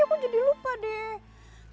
aku jadi lupa deh